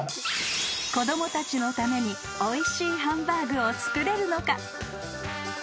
［子供たちのためにおいしいハンバーグを作れるのか？］